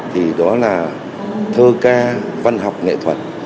thì đó là thơ ca văn học nghệ thuật